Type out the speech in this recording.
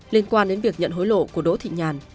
liên quan đến việc nhận hối lộ của đỗ thị nhàn